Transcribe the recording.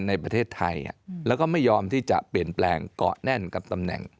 ในประเทศไทยแล้วก็ไม่ยอมที่จะเปลี่ยนแปลงเกาะแน่นกับตำแหน่ง